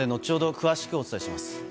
詳しくお伝えします。